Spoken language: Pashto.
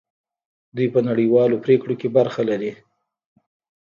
دوی په نړیوالو پریکړو کې برخه لري.